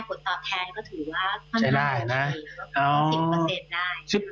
ผลตอบแทนก็ถือว่าค่อนข้าง๑๐ได้